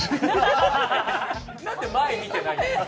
なんで前、見てないんですか？